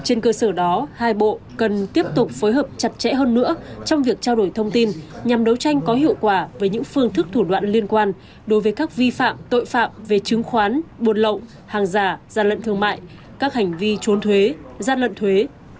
trên cơ sở đó hai bộ cần tiếp tục phối hợp chặt chẽ hơn nữa trong việc trao đổi thông tin nhằm đấu tranh có hiệu quả với những phương thức thủ đoạn liên quan đối với các vi phạm tội phạm về chứng khoán buồn lộng hàng giả gian lận thương mại các hành vi trốn thuế gian lận thuế